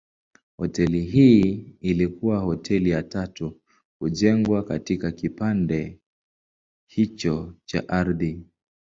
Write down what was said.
Hoteli hii ilikuwa hoteli ya tatu kujengwa katika kipande hicho cha ardhi.